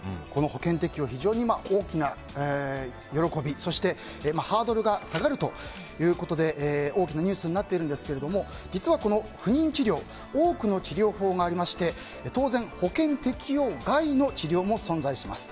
保険適用、非常に大きな喜びそしてハードルが下がるということで大きなニュースになっているんですけれども実は不妊治療多くの治療法がありまして当然、保険適用外の治療も存在します。